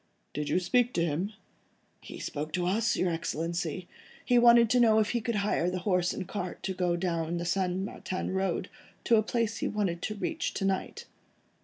"Did you speak to him?" "He spoke to us, your Excellency. He wanted to know if he could hire a horse and cart to go down along the St. Martin Road, to a place he wanted to reach to night."